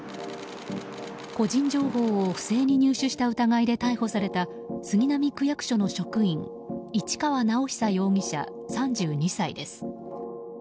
個人情報を不正に入手した疑いで逮捕された杉並区役所の職員市川直央容疑者、３２歳です。